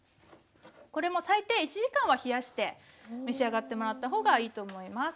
これも最低１時間は冷やして召し上がってもらった方がいいと思います。